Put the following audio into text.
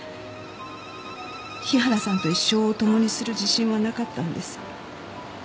日原さんと一生を共にする自信はなかったんです。